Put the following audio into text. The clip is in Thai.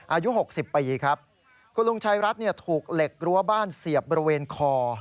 อายุ๖๐ปีครับคุณลุงชายรัฐเนี่ยถูกเหล็กรั้วบ้านเสียบบริเวณคอ